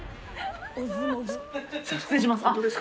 失礼します。